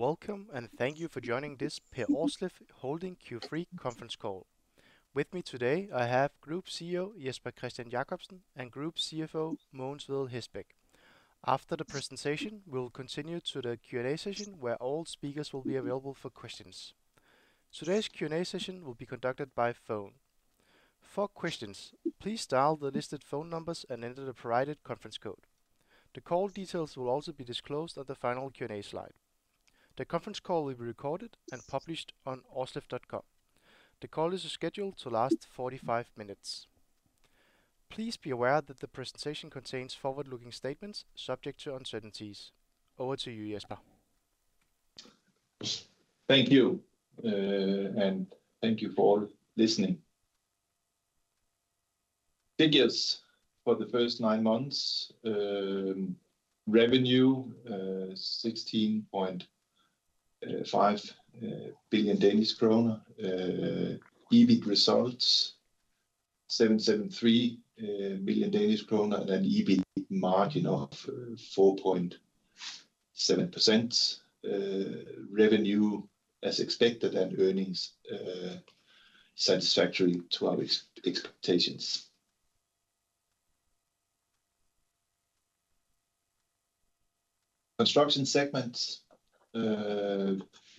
Welcome, and thank you for joining this Per Aarsleff Holding Q3 conference call. With me today, I have Group CEO Jesper Kristian Jacobsen, and Group CFO Mogens Hestbæk. After the presentation, we'll continue to the Q&A session, where all speakers will be available for questions. Today's Q&A session will be conducted by phone. For questions, please dial the listed phone numbers and enter the provided conference code. The call details will also be disclosed at the final Q&A slide. The conference call will be recorded and published on aarsleff.com. The call is scheduled to last 45 minutes. Please be aware that the presentation contains forward-looking statements subject to uncertainties. Over to you, Jesper. Thank you, and thank you for listening. Figures for the first nine months: revenue 16.5 billion Danish kroner, EBIT results 773 million Danish kroner, and an EBIT margin of 4.7%. Revenue, as expected, and earnings satisfactory to our expectations. Construction segment: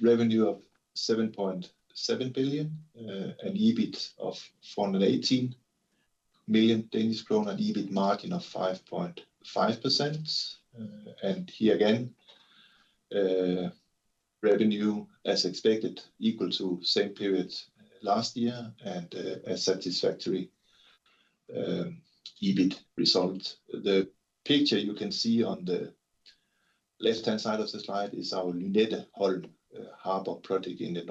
revenue of 7.7 billion and EBIT of 418 million Danish kroner, and EBIT margin of 5.5%, and here again, revenue, as expected, equal to same period last year and a satisfactory EBIT result. The picture you can see on the left-hand side of the slide is our Lynetteholm Harbor project in the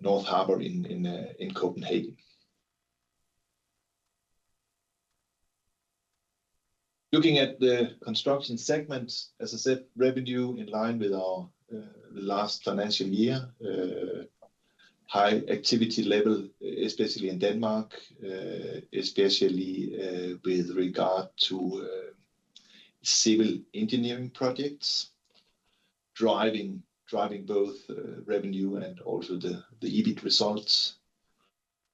North Harbor in Copenhagen. Looking at the Construction segment, as I said, revenue in line with our last financial year, high activity level, especially in Denmark, especially with regard to civil engineering projects, driving both revenue and also the EBIT results,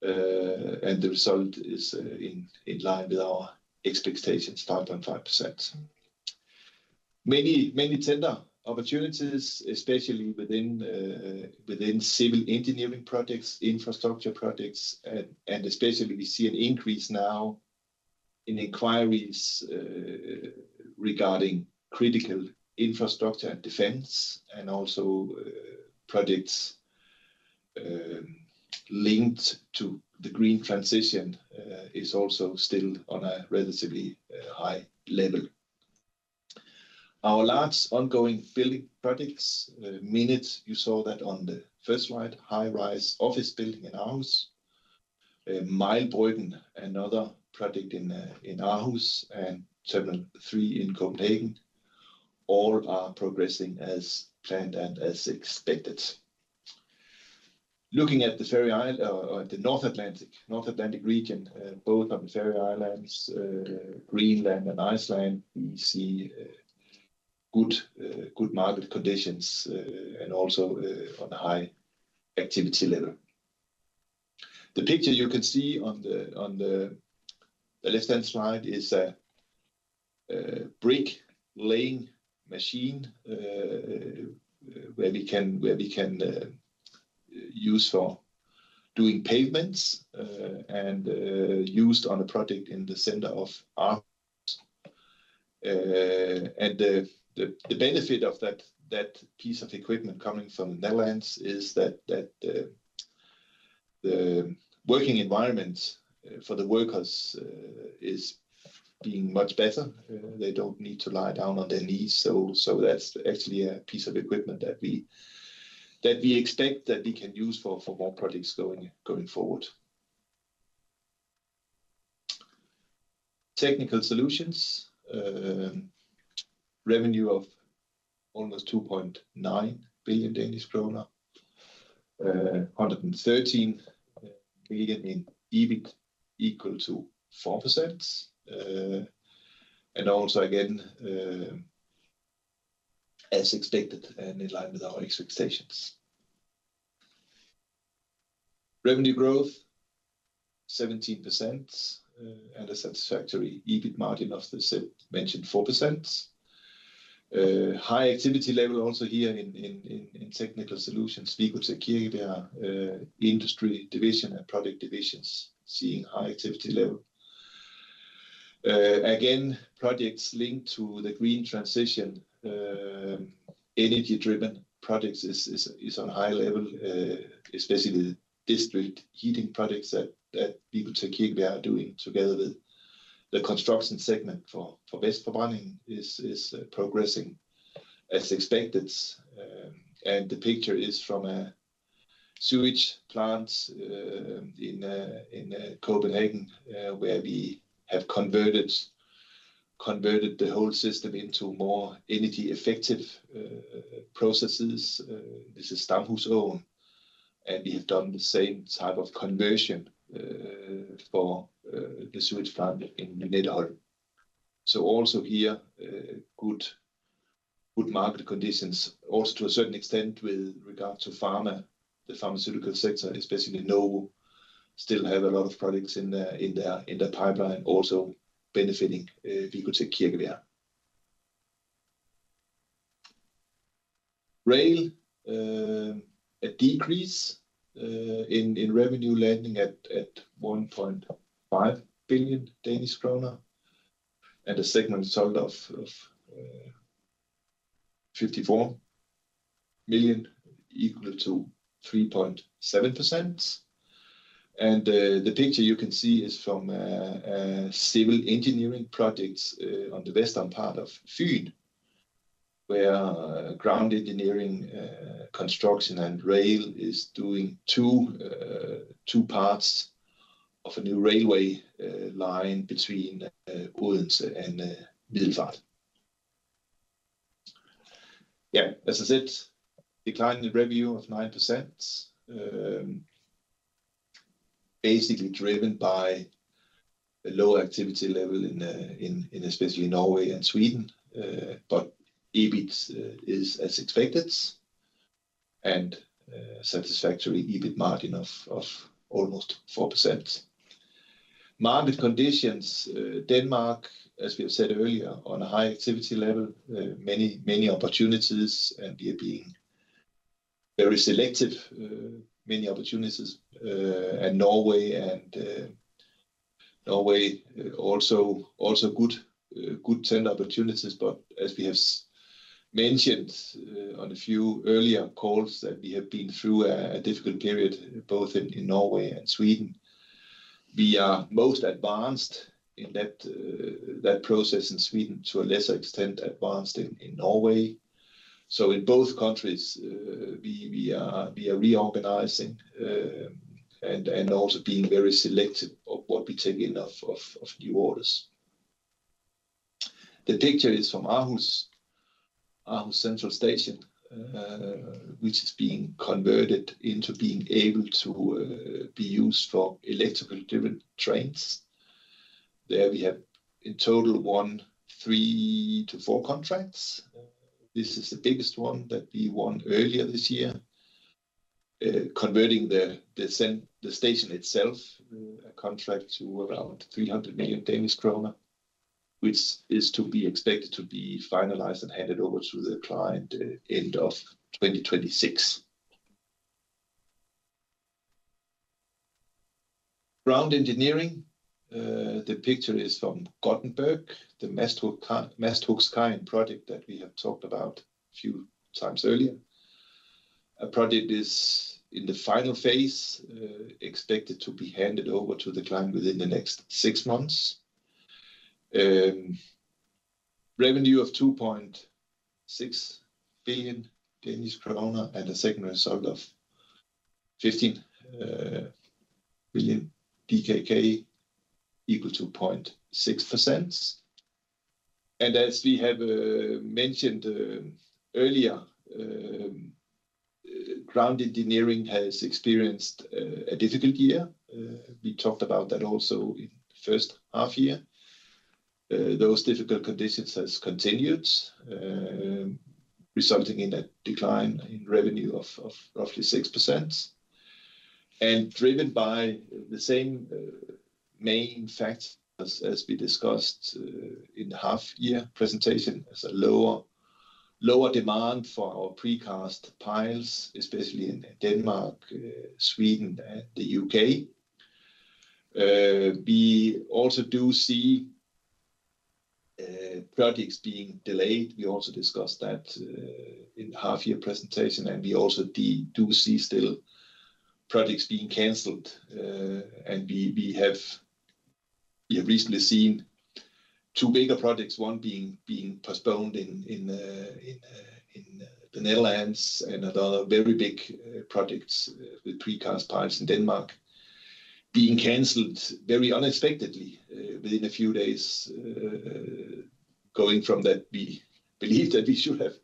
and the result is in line with our expectations, 5.5%. Many tender opportunities, especially within civil engineering projects, infrastructure projects, and especially we see an increase now in inquiries regarding critical infrastructure and defence, and also projects linked to the green transition is also still on a relatively high level. Our large ongoing building projects: Mindet, you saw that on the first slide, high-rise office building in Aarhus, Møllebryggen, another project in Aarhus, and Terminal 3 in Copenhagen. All are progressing as planned and as expected. Looking at the North Atlantic region, both of the Faroe Islands, Greenland, and Iceland, we see good market conditions and also on a high activity level. The picture you can see on the left-hand side is a brick laying machine where we can use for doing pavements and used on a project in the center of Aarhus. The benefit of that piece of equipment coming from the Netherlands is that the working environment for the workers is being much better. They don't need to lie down on their knees. So that's actually a piece of equipment that we expect that we can use for more projects going forward. Technical solutions: revenue of almost 2.9 billion Danish kroner, 113 million in EBIT equal to 4%, and also again, as expected and in line with our expectations. Revenue growth: 17% and a satisfactory EBIT margin of the mentioned 4%. High activity level also here in Technical Solutions, Wicotec Kirkebjerg, industry division and project divisions seeing high activity level. Again, projects linked to the green transition, energy-driven projects is on a high level, especially district heating projects that Wicotec Kirkebjerg are doing together with the construction segment for Vestforbrænding is progressing as expected. The picture is from a sewage plant in Copenhagen where we have converted the whole system into more energy-effective processes. This is Damhusåen, and we have done the same type of conversion for the sewage plant in Lynetteholm. Also here, good market conditions, also to a certain extent with regard to pharma, the pharmaceutical sector, especially Novo, still have a lot of projects in their pipeline, also benefiting Wicotec Kirkebjerg. Rail: a decrease in revenue landing at 1.5 billion Danish krone, and the segment sold of 54 million equal to 3.7%. The picture you can see is from civil engineering projects on the western part of Funen, where Ground Engineering, Construction, and Rail is doing two parts of a new railway line between Odense and Middelfart. Yeah, as I said, declining revenue of 9%, basically driven by a low activity level in especially Norway and Sweden, but EBIT is as expected and satisfactory EBIT margin of almost 4%. Market conditions: Denmark, as we have said earlier, on a high activity level, many opportunities, and we are being very selective, many opportunities, and Norway, and Norway also good tender opportunities, but as we have mentioned on a few earlier calls that we have been through a difficult period both in Norway and Sweden. We are most advanced in that process in Sweden, to a lesser extent advanced in Norway, so in both countries, we are reorganizing and also being very selective of what we take in of new orders. The picture is from Aarhus, Aarhus Central Station, which is being converted into being able to be used for electrical-driven trains. There, we have in total won three to four contracts. This is the biggest one that we won earlier this year, converting the station itself, a contract to around 300 million Danish kroner, which is to be expected to be finalized and handed over to the client end of 2026. Ground engineering: the picture is from Gothenburg, the Masthuggskajen project that we have talked about a few times earlier. A project is in the final phase, expected to be handed over to the client within the next six months. Revenue of 2.6 billion Danish krone and a second result of 15 million DKK equal to 0.6%. As we have mentioned earlier, ground engineering has experienced a difficult year. We talked about that also in the first half year. Those difficult conditions have continued, resulting in a decline in revenue of roughly 6%. Driven by the same main facts as we discussed in the half-year presentation, there's a lower demand for our precast piles, especially in Denmark, Sweden, and the U.K. We also do see projects being delayed. We also discussed that in the half-year presentation, and we also do see still projects being canceled. We have recently seen two bigger projects, one being postponed in the Netherlands and another very big project with precast piles in Denmark being canceled very unexpectedly within a few days. Going from that, we believe that we should have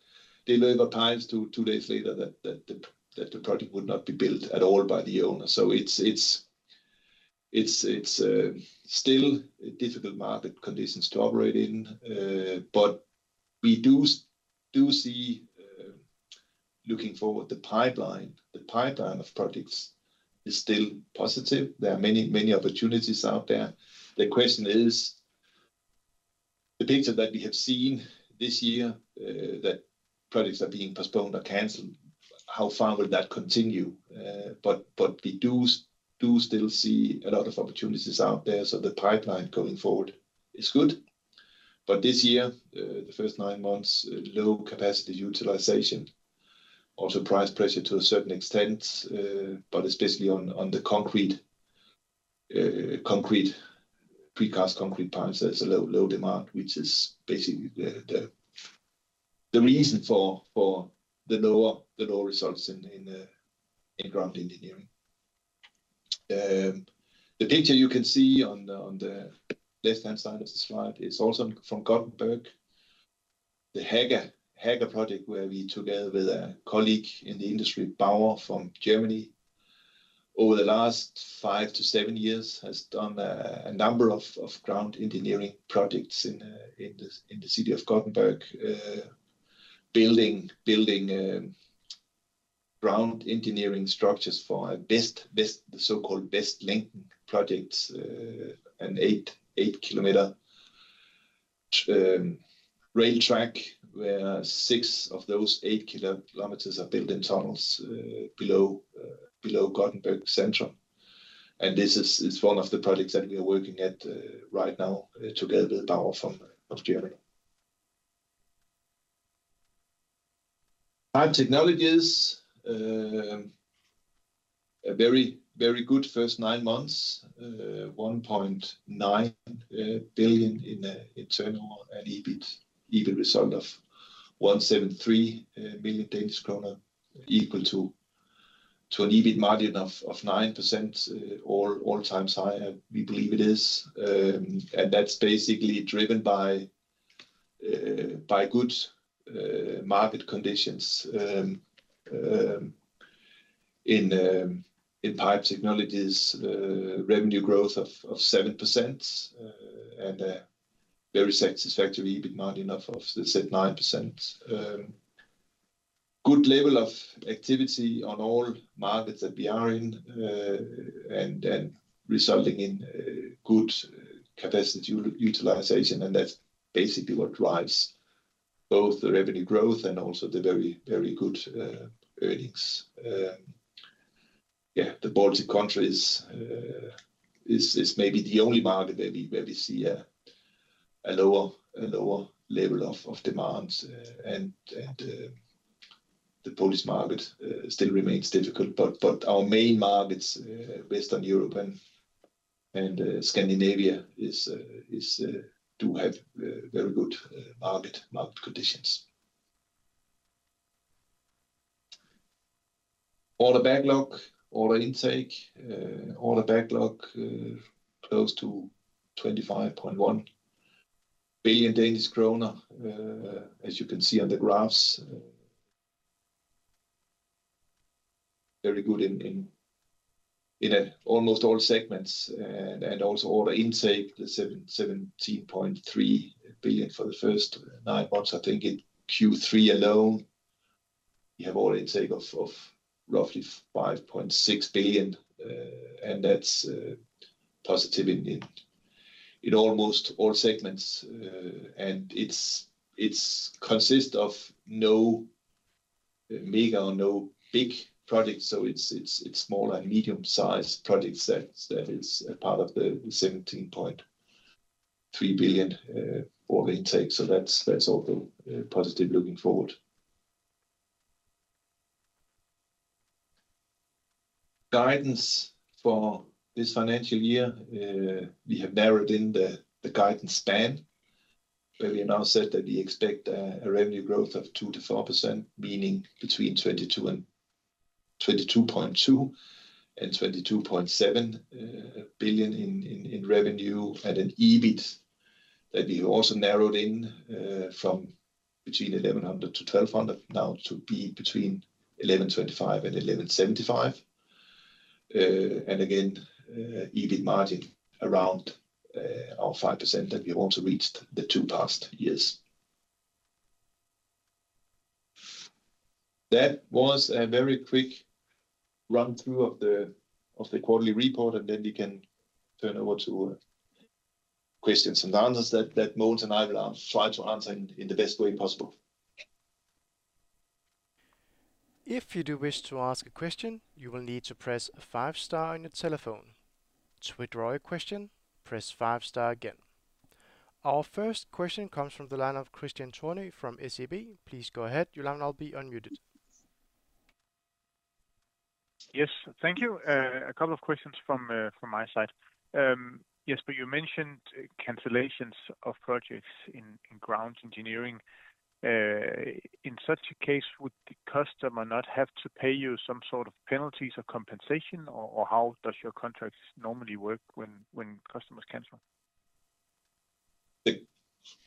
delivered piles two days later, that the project would not be built at all by the owner. It's still difficult market conditions to operate in, but we do see, looking forward, the pipeline of projects is still positive. There are many opportunities out there. The question is, the picture that we have seen this year, that projects are being postponed or canceled, how far will that continue, but we do still see a lot of opportunities out there, so the pipeline going forward is good, but this year, the first nine months, low capacity utilization, also price pressure to a certain extent, but especially on the precast concrete piles, there's a low demand, which is basically the reason for the lower results in ground engineering. The picture you can see on the left-hand side of the slide is also from Gothenburg, the Haga project where we together with a colleague in the industry, Bauer from Germany, over the last five to seven years has done a number of ground engineering projects in the city of Gothenburg, building ground engineering structures for the so-called West Link projects, an 8 km rail track where 6 km of those 8 km are built in tunnels below Gothenburg center, and this is one of the projects that we are working at right now together with BAUER from Germany. Pipe Technologies, very good first nine months, 1.9 billion in turnover and EBIT result of 173 million Danish kroner equal to an EBIT margin of 9%, all-time high we believe it is. That's basically driven by good market conditions in Pipe Technologies, revenue growth of 7%, and a very satisfactory EBIT margin of, as I said, 9%. Good level of activity on all markets that we are in and resulting in good capacity utilization. That's basically what drives both the revenue growth and also the very good earnings. Yeah, the Baltic countries is maybe the only market where we see a lower level of demand. The Polish market still remains difficult, but our main markets, Western Europe and Scandinavia, do have very good market conditions. Order backlog, order intake, order backlog close to 25.1 billion Danish krone, as you can see on the graphs. Very good in almost all segments. Also order intake, 17.3 billion for the first nine months. I think in Q3 alone, we have order intake of roughly 5.6 billion. And that's positive in almost all segments. And it consists of no mega or no big projects. So it's small and medium-sized projects that is a part of the 17.3 billion order intake. So that's also positive looking forward. Guidance for this financial year, we have narrowed in the guidance span. We have now said that we expect a revenue growth of 2-4%, meaning between 22.2 billion and 22.7 billion in revenue and an EBIT that we have also narrowed in from between 1,100-1,200 now to be between 1,125 and 1,175. And again, EBIT margin around our 5% that we also reached the two past years. That was a very quick run-through of the quarterly report, and then we can turn over to questions and answers that Mogens and I will try to answer in the best way possible. If you do wish to ask a question, you will need to press a five star on your telephone. To withdraw your question, press five star again. Our first question comes from the line of Kristian Tornøe from SEB. Please go ahead. You line will be unmuted. Yes, thank you. A couple of questions from my side. Yes, but you mentioned cancellations of projects in ground engineering. In such a case, would the customer not have to pay you some sort of penalties or compensation, or how does your contract normally work when customers cancel?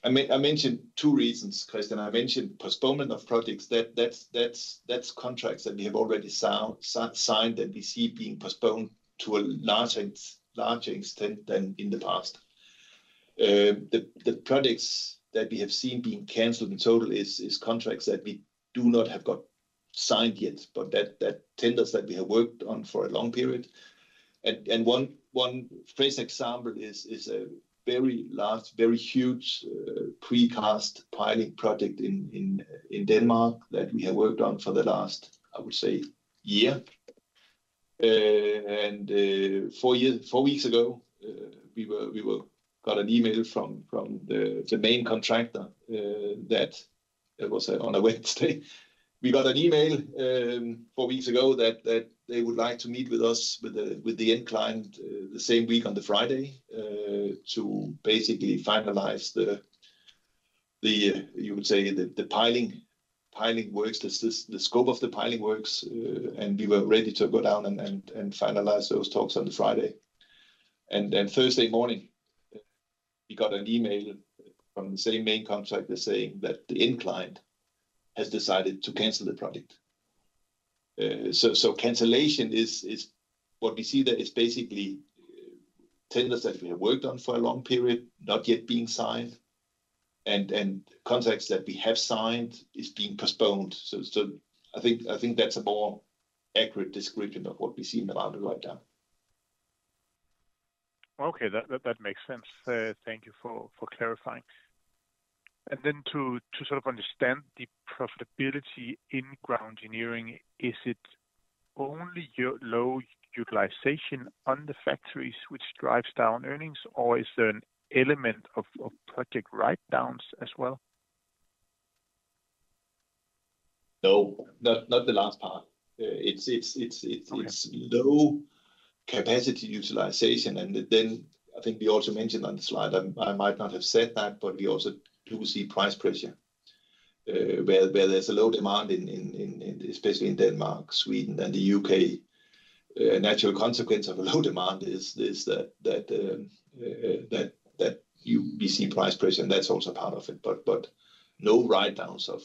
I mentioned two reasons, Kristian. I mentioned postponement of projects. That's contracts that we have already signed that we see being postponed to a larger extent than in the past. The projects that we have seen being canceled in total is contracts that we do not have got signed yet, but that tenders that we have worked on for a long period. One fresh example is a very large, very huge precast piling project in Denmark that we have worked on for the last, I would say, year. Four weeks ago, we got an email from the main contractor that was on a Wednesday. We got an email four weeks ago that they would like to meet with us, with the end client, the same week on the Friday, to basically finalize the, you would say, the piling works, the scope of the piling works. We were ready to go down and finalize those talks on the Friday. And then Thursday morning, we got an email from the same main contractor saying that the end client has decided to cancel the project. So cancellation is what we see that is basically tenders that we have worked on for a long period, not yet being signed, and contracts that we have signed are being postponed. So I think that's a more accurate description of what we see in the market right now. Okay, that makes sense. Thank you for clarifying. And then to sort of understand the profitability in ground engineering, is it only low utilization on the factories, which drives down earnings, or is there an element of project write-downs as well? No, not the last part. It's low capacity utilization. And then I think we also mentioned on the slide. I might not have said that, but we also do see price pressure, where there's low demand, especially in Denmark, Sweden, and the U.K. A natural consequence of low demand is that you see price pressure, and that's also part of it. But no write-downs of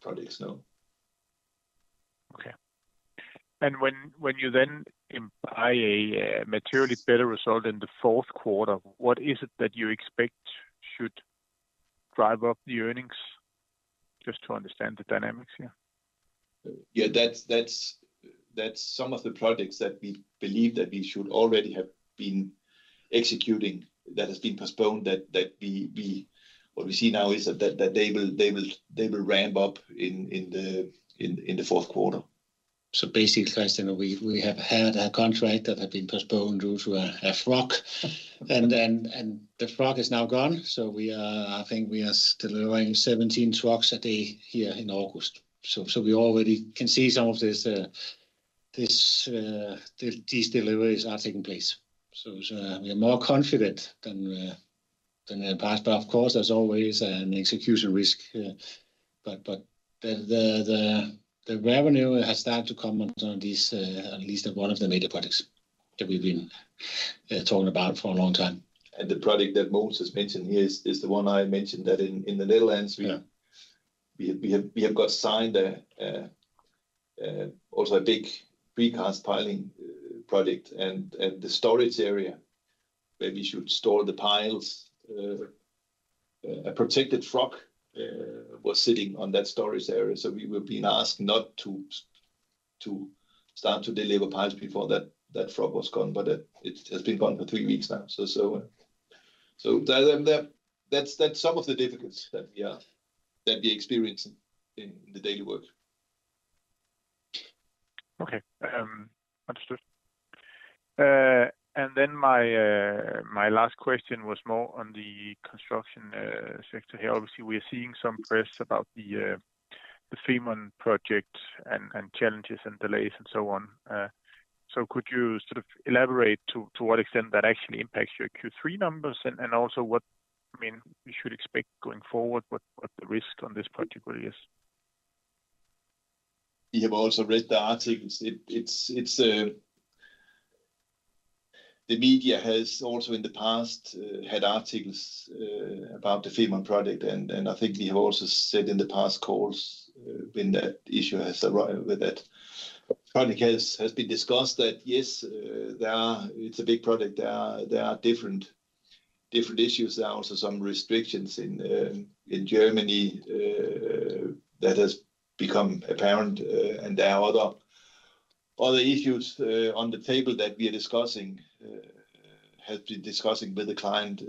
projects, no. And when you then see a materially better result in the fourth quarter, what is it that you expect should drive up the earnings? Just to understand the dynamics here. Yeah, that's some of the projects that we believe that we should already have been executing that have been postponed. What we see now is that they will ramp up in the fourth quarter. So basically, Kristian, we have had a contract that had been postponed due to a truck, and the truck is now gone. I think we are delivering 17 trucks a day here in Aras. We already can see some of these deliveries are taking place. We are more confident than the past, but of course, there's always an execution risk. The revenue has started to come on some of these, at least one of the major projects that we've been talking about for a long time. The project that Mogens has mentioned here is the one I mentioned that in the Netherlands, we have got signed also a big precast piling project. The storage area where we should store the piles, a protected truck was sitting on that storage area. We were being asked not to start to deliver piles before that truck was gone, but it has been gone for three weeks now. That's some of the difficulties that we are experiencing in the daily work. Okay, understood. And then my last question was more on the construction sector here. Obviously, we are seeing some press about the Fehmarnbelt Project and challenges and delays and so on. So could you sort of elaborate to what extent that actually impacts your Q3 numbers and also what you should expect going forward, what the risk on this particular is? We have also read the articles. The media has also in the past had articles about the Fehmarnbelt Project. And I think we have also said in the past calls when that issue has arrived with that. The project has been discussed that, yes, it's a big project. There are different issues. There are also some restrictions in Germany that have become apparent. And there are other issues on the table that we are discussing, have been discussing with the client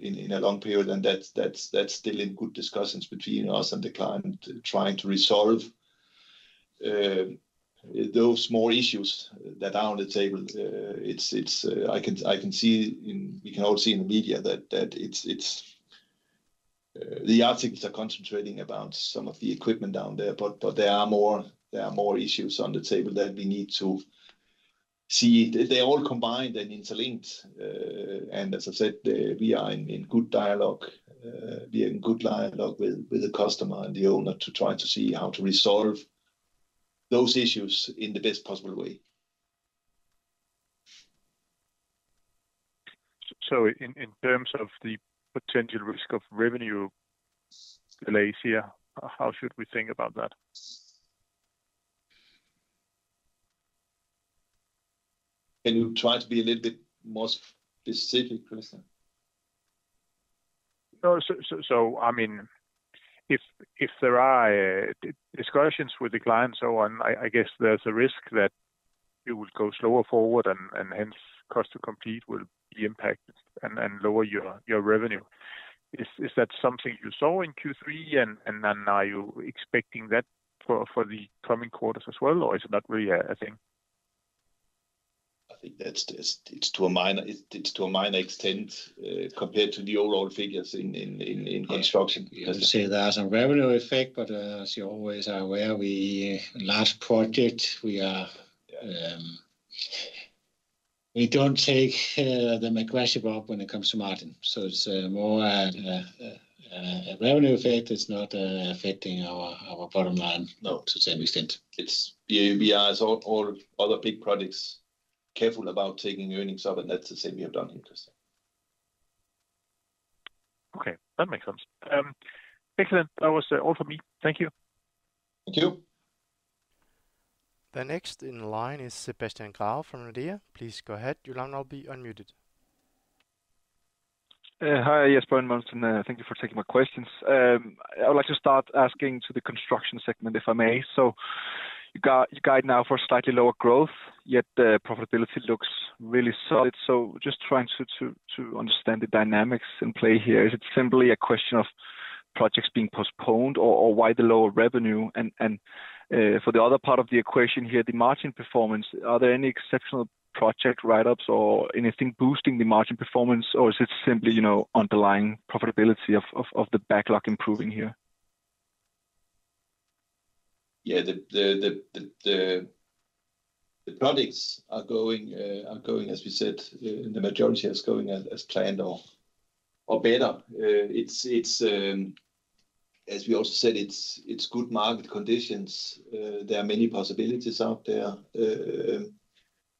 in a long period. And that's still in good discussions between us and the client trying to resolve those more issues that are on the table. I can see we can all see in the media that the articles are concentrating about some of the equipment down there. But there are more issues on the table that we need to see. They all combine and interlink. And as I said, we are in good dialogue. We are in good dialogue with the customer and the owner to try to see how to resolve those issues in the best possible way. So in terms of the potential risk of revenue delays here, how should we think about that? Can you try to be a little bit more specific, Kristian? So, I mean, if there are discussions with the clients, so on, I guess there's a risk that you will go slower forward and hence cost to complete will be impacted and lower your revenue. Is that something you saw in Q3 and are you expecting that for the coming quarters as well, or is it not really a thing? I think it's to a minor extent compared to the overall figures in construction. I would say there is a revenue effect, but as you always are aware, with large projects, we don't take the margin up front when it comes to margin. So it's more a revenue effect. It's not affecting our bottom line to a certain extent. We are, as all other big projects, careful about taking earnings up, and that's the same we have done here, Kristian. Okay, that makes sense. Excellent. That was all for me. Thank you. The next in line is Sebastian Hougaard from Nordea. Please go ahead, your line will be unmuted. Hi, Jesper and Mogens. Thank you for taking my questions. I would like to start asking to the construction segment, if I may. So you guide now for slightly lower growth, yet the profitability looks really solid. So just trying to understand the dynamics in play here. Is it simply a question of projects being postponed or why the lower revenue? And for the other part of the equation here, the margin performance, are there any exceptional project write-ups or anything boosting the margin performance, or is it simply underlying profitability of the backlog improving here? Yeah, the projects are going, as we said, the majority is going as planned or better. As we also said, it's good market conditions. There are many possibilities out there.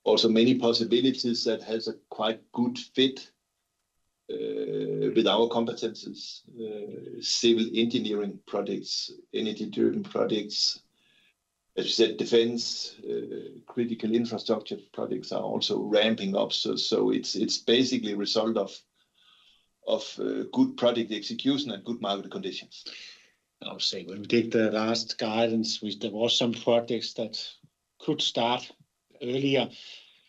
Also, many possibilities that have a quite good fit with our competencies: civil engineering projects, energy-driven projects. As we said, defense, critical infrastructure projects are also ramping up. So it's basically a result of good project execution and good market conditions. I would say when we did the last guidance, there were some projects that could start earlier.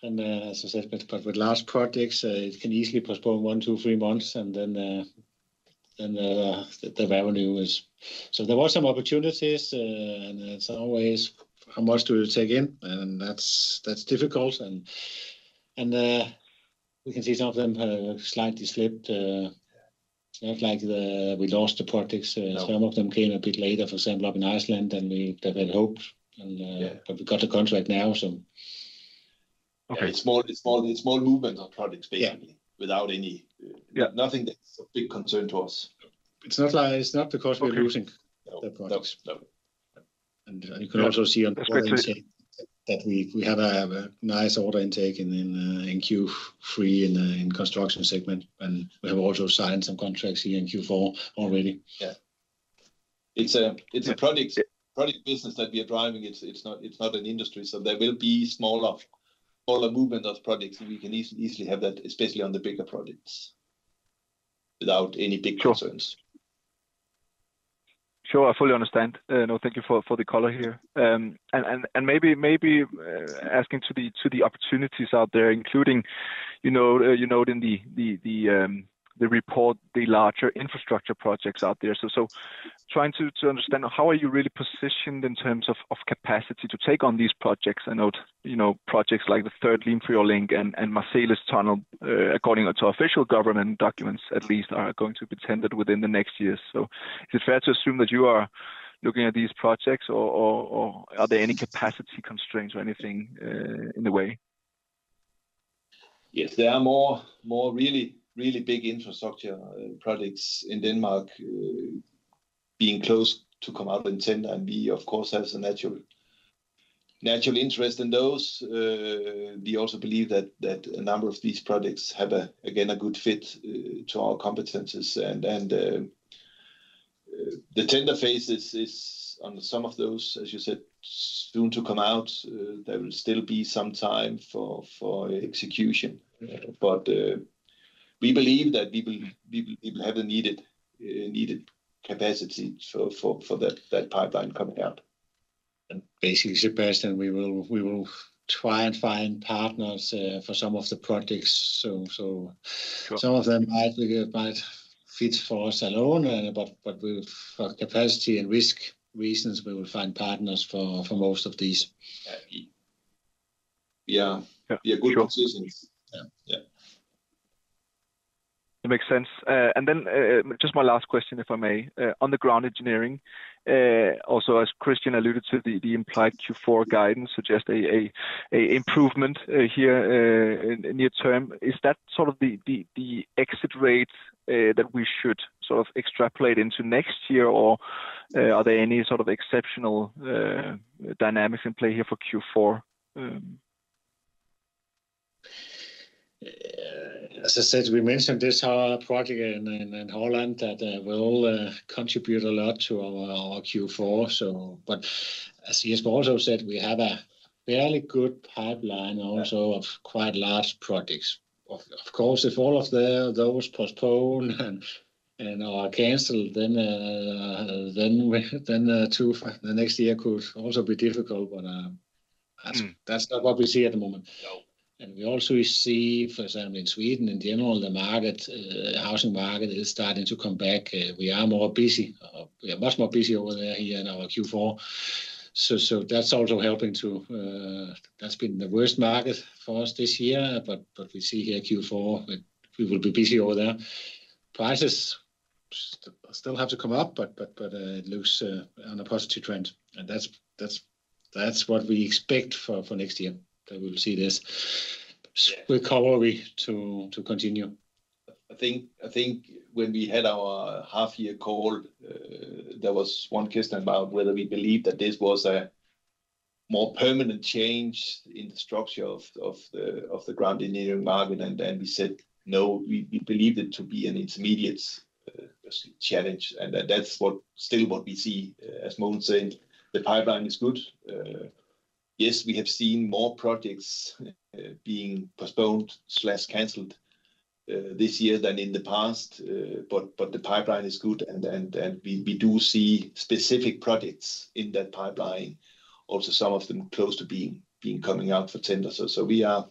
And as I said, but with large projects, it can easily postpone one, two, three months, and then the revenue is. So there were some opportunities, and it's always how much do you take in? And that's difficult. And we can see some of them slightly slipped. We lost the projects. Some of them came a bit later, for example, up in Iceland, and we had hoped, but we got the contract now, so. Okay, small movement on projects, basically, without anything that's a big concern to us. It's not because we're losing projects, and you can also see on the projects that we have a nice order intake in Q3 in the construction segment, and we have also signed some contracts here in Q4 already. Yeah. It's a project business that we are driving. It's not an industry. There will be smaller movement of projects, and we can easily have that, especially on the bigger projects, without any big concerns. Sure. I fully understand. No, thank you for the color here. Maybe asking to the opportunities out there, including you note in the report, the larger infrastructure projects out there, trying to understand how are you really positioned in terms of capacity to take on these projects. I note projects like the Third Limfjord Link and Marselis Tunnel, according to official government documents, at least are going to be tendered within the next years. So is it fair to assume that you are looking at these projects, or are there any capacity constraints or anything in the way? Yes, there are more really big infrastructure projects in Denmark being close to come out in tender. And we, of course, have a natural interest in those. We also believe that a number of these projects have, again, a good fit to our competencies. And the tender phase is on some of those, as you said, soon to come out. There will still be some time for execution. But we believe that we will have the needed capacity for that pipeline coming out. And basically, Sebastian, we will try and find partners for some of the projects. So some of them might fit for us alone, but for capacity and risk reasons, we will find partners for most of these. Yeah. Yeah. Good decisions. Yeah. That makes sense. And then just my last question, if I may. On the ground engineering, also, as Christian alluded to, the implied Q4 guidance suggests an improvement here near term. Is that sort of the exit rate that we should sort of extrapolate into next year, or are there any sort of exceptional dynamics in play here for Q4? As I said, we mentioned this project in Holland that will contribute a lot to our Q4. But as Jesper also said, we have a fairly good pipeline also of quite large projects. Of course, if all of those postpone and are canceled, then the next year could also be difficult. But that's not what we see at the moment. And we also see, for example, in Sweden, in general, the housing market is starting to come back. We are more busy. We are much more busy over there here in our Q4. So that's also helping. That's been the worst market for us this year. But we see here Q4, we will be busy over there. Prices still have to come up, but it looks on a positive trend. And that's what we expect for next year, that we will see this recovery to continue. I think when we had our half-year call, there was one question about whether we believe that this was a more permanent change in the structure of the ground engineering market. And then we said, no, we believe it to be an intermediate challenge. And that's still what we see, as Mogens said, the pipeline is good. Yes, we have seen more projects being postponed/cancelled this year than in the past. But the pipeline is good. And we do see specific projects in that pipeline, also some of them close to being coming out for tenders. So we are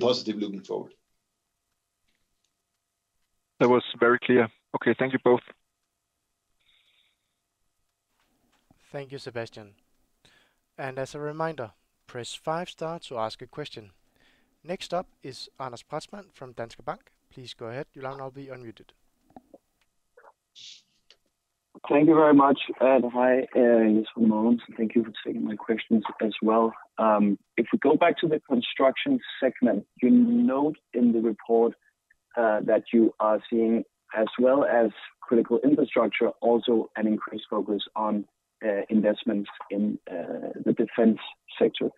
positive looking forward. That was very clear. Okay, thank you both. Thank you, Sebastian. And as a reminder, press five star to ask a question. Next up is Aras Pratsman from Danske Bank. Please go ahead. Your line will be unmuted. Thank you very much. And hi, Jesper. Thank you for taking my questions as well. If we go back to the construction segment, you note in the report that you are seeing, as well as critical infrastructure, also an increased focus on investments in the defense sector.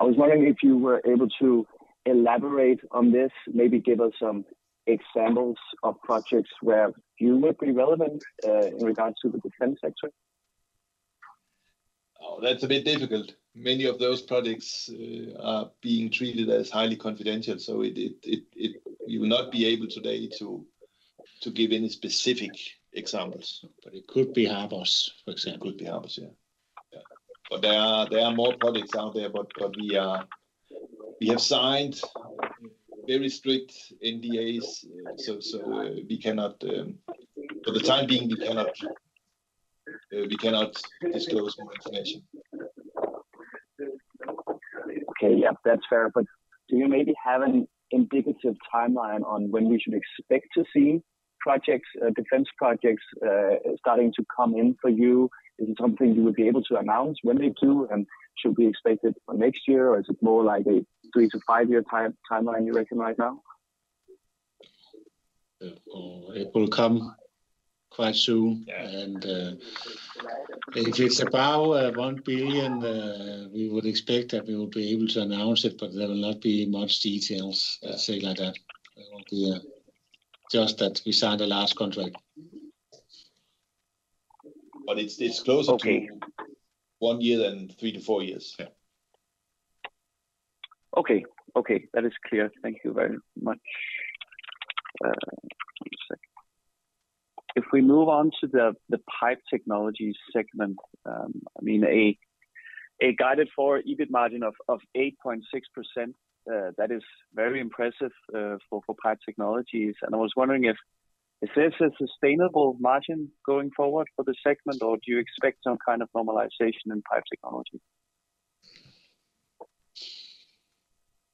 I was wondering if you were able to elaborate on this, maybe give us some examples of projects where you would be relevant in regards to the defense sector. Oh, that's a bit difficult. Many of those projects are being treated as highly confidential. So we will not be able today to give any specific examples. But it could be harbos, for example. It could be harbors, yeah. But there are more projects out there, but we have signed very strict NDAs. So for the time being, we cannot disclose more information. Okay, yeah, that's fair. But do you maybe have an indicative timeline on when we should expect to see defense projects starting to come in for you? Is it something you would be able to announce when they do? Should we expect it for next year, or is it more like a three to five-year timeline you reckon right now? It will come quite soon. If it's about 1 billion, we would expect that we will be able to announce it, but there will not be much details, let's say like that. It won't be just that we signed a large contract. It's closer to one year than three to four years. Yeah. Okay. Okay. That is clear. Thank you very much. If we move on to the pipe technology segment, I mean, a guided forward EBIT margin of 8.6%, that is very impressive for pipe technologies. I was wondering if there's a sustainable margin going forward for the segment, or do you expect some kind of normalization in pipe technology?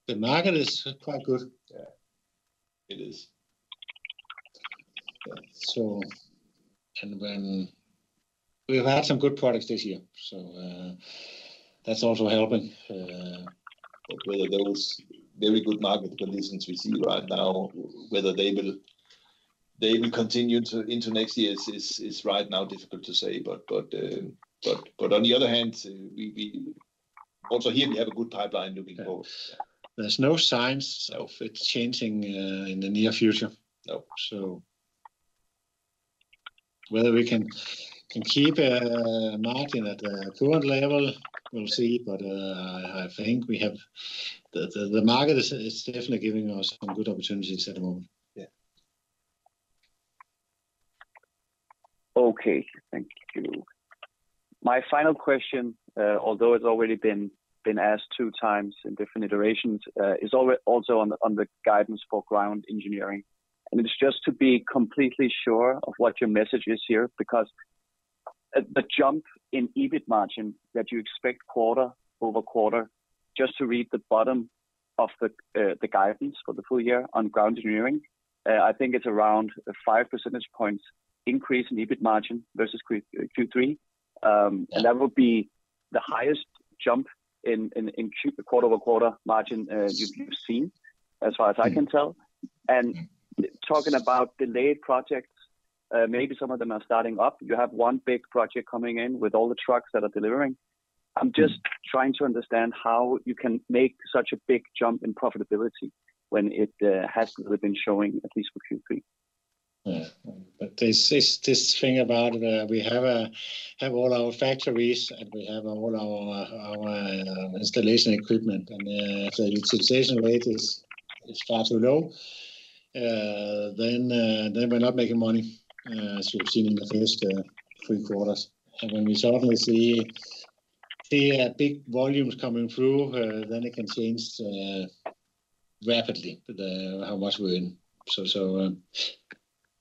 The market is quite good. It is. We've had some good products this year. That's also helping. Whether those very good market conditions we see right now will continue into next year is right now difficult to say. On the other hand, also here, we have a good pipeline looking forward. There's no signs of it changing in the near future. Whether we can keep a margin at the current level, we'll see. I think the market is definitely giving us some good opportunities at the moment. Yeah. Okay. Thank you. My final question, although it's already been asked 2x in different iterations, is also on the guidance for ground engineering. And it's just to be completely sure of what your message is here, because the jump in EBIT margin that you expect quarter-over-quarter, just to read the bottom of the guidance for the full year on ground engineering, I think it's around 5 percentage point increase in EBIT margin versus Q3. And that would be the highest jump in quarter over quarter margin you've seen, as far as I can tell. And talking about delayed projects, maybe some of them are starting up. You have one big project coming in with all the trucks that are delivering. I'm just trying to understand how you can make such a big jump in profitability when it hasn't really been showing at least for Q3. But this thing about we have all our factories and we have all our installation equipment, and the utilization rate is far too low, then we're not making money, as we've seen in the first three quarters. And when we suddenly see big volumes coming through, then it can change rapidly how much we're in.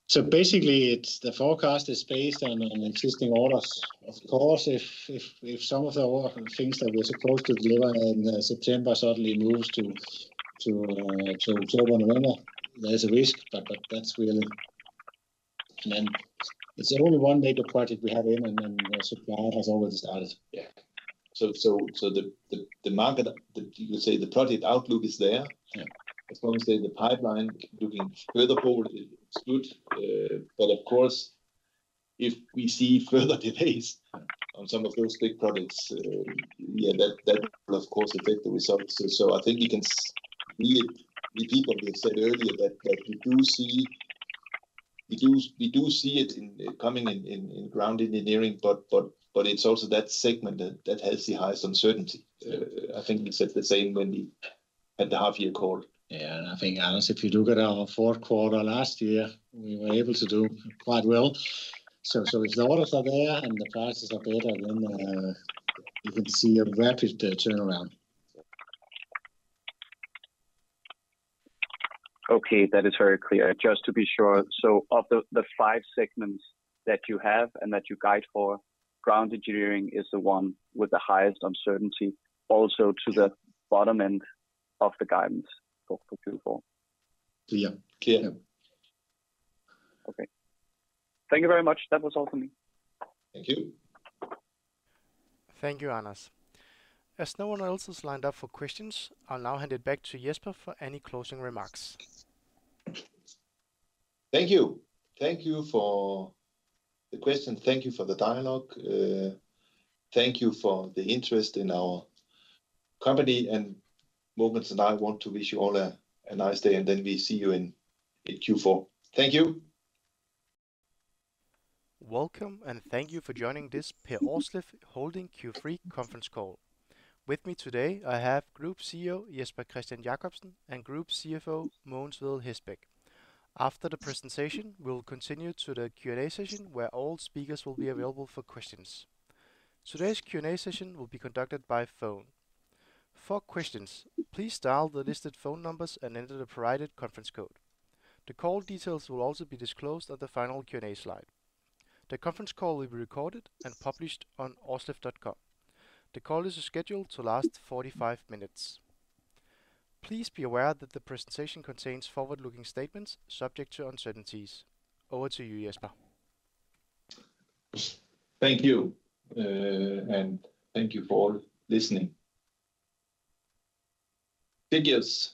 So basically, the forecast is based on existing orders. Of course, if some of the things that we're supposed to deliver in September suddenly move to October and November, there's a risk, but that's really. And then it's only one major project we have in, and the supply has already started. Yeah. So the market, you could say the project outlook is there. As long as the pipeline looking further forward, it's good. But of course, if we see further delays on some of those big projects, yeah, that will, of course, affect the results. So I think you can see it. The people said earlier that we do see it coming in ground engineering, but it's also that segment that has the highest uncertainty. I think we said the same when we had the half-year call. Yeah. And I think, Aras, if you look at our fourth quarter last year, we were able to do quite well. So if the orders are there and the prices are better, then you can see a rapid turnaround. Okay. That is very clear. Just to be sure, so of the five segments that you have and that you guide for, ground engineering is the one with the highest uncertainty, also to the bottom end of the guidance for Q4. Yeah. Clear. Okay. Thank you very much. That was all for me. Thank you. Thank you, Aras. As no one else has lined up for questions, I'll now hand it back to Jesper for any closing remarks. Thank you. Thank you for the question. Thank you for the dialogue. Thank you for the interest in our company and movements. I want to wish you all a nice day, and then we see you in Q4. Thank you. Welcome, and thank you for joining this Per Aarsleff Holding Q3 conference call. With me today, I have Group CEO Jesper Kristian Jacobsen and Group CFO Mogens Hestbæk. After the presentation, we'll continue to the Q&A session, where all speakers will be available for questions. Today's Q&A session will be conducted by phone. For questions, please dial the listed phone numbers and enter the provided conference code. The call details will also be disclosed at the final Q&A slide. The conference call will be recorded and published on aarsleff.com. The call is scheduled to last 45 minutes. Please be aware that the presentation contains forward-looking statements subject to uncertainties. Over to you, Jesper. Thank you, and thank you for listening. Figures.